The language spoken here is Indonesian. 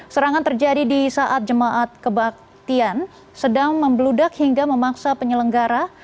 serangan terjadi di saat jemaat kebaktian sedang membeludak hingga memaksa penyelenggara